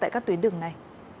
các tuyến đường này